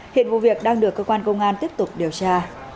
hiện vụ việc đang được cơ quan công an tiếp tục điều tra